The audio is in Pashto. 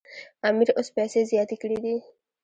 امیر اوس پیسې زیاتې کړي دي.